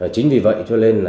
chính vì vậy cho nên